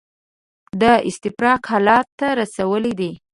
د استفراق حالت ته رسولي دي.